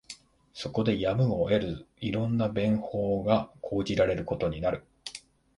そこでやむを得ず、色んな便法が講じられることになる